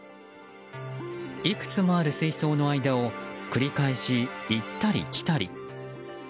いくつもある水槽の間を繰り返し、行ったり来たり。